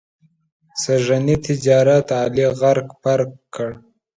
سږني تجارت علي غرق پرق کړ.